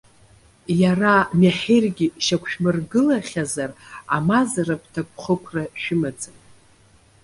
Иара меҳиргьы шьақәшәмыргылахьазар, амазаратә ҭакԥхықәра шәымаӡам.